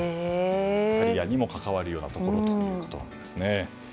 キャリアにも関わるようなところということです。